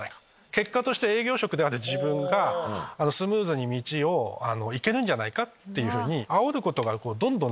結果として営業職である自分がスムーズに道を行けるんじゃないかって。